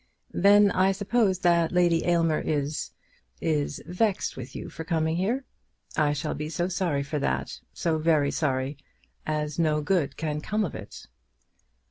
"Then I suppose that Lady Aylmer is, is vexed with you for coming here. I shall be so sorry for that; so very sorry, as no good can come of it."